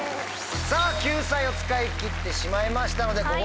さぁ救済を使い切ってしまいましたので。